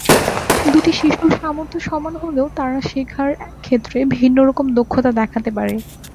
দুটি শিশুর সামর্থ্য সমান হলেও তারা শেখার ক্ষেত্রে ভিন্নরকম দক্ষতা দেখাতে পারে।